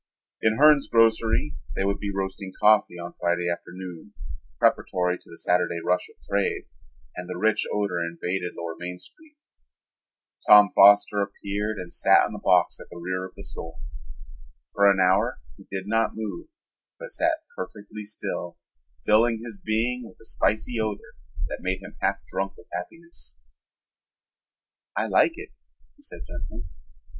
In Hern's Grocery they would be roasting coffee on Friday afternoon, preparatory to the Saturday rush of trade, and the rich odor invaded lower Main Street. Tom Foster appeared and sat on a box at the rear of the store. For an hour he did not move but sat perfectly still, filling his being with the spicy odor that made him half drunk with happiness. "I like it," he said gently.